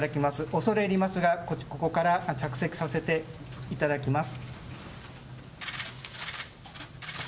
恐れ入りますが、ここから着席させていただきます。